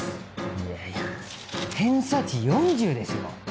いやいや偏差値４０でしょ。